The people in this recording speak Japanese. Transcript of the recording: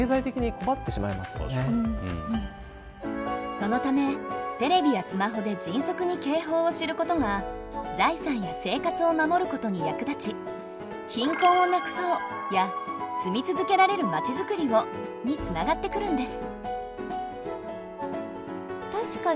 そのためテレビやスマホで迅速に警報を知ることが財産や生活を守ることに役立ち「貧困をなくそう」や「住み続けられるまちづくりを」につながってくるんです。